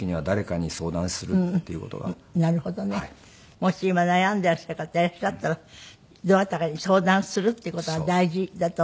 もし今悩んでいらっしゃる方いらっしゃったらどなたかに相談するっていう事が大事だと思いますよ。